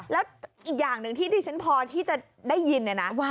แล้วอีกอย่างหนึ่งที่ชั้นพอที่จะได้ยินนะนะ